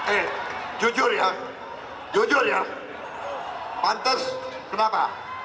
eh jujur ya jujur ya pantas kenapa